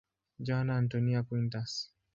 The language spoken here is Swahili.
Joana Antónia Quintas.